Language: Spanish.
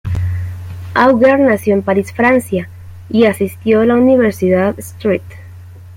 Auger nació en París, Francia, y asistió a la "Universidad St.